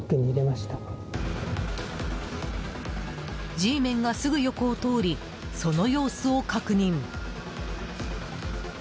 Ｇメンが、すぐ横を通りその様子を確認。